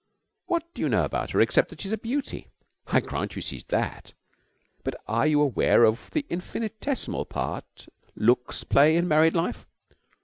What do you know about her except that she is a beauty? I grant you she's that, but are you aware of the infinitesimal part looks play in married life?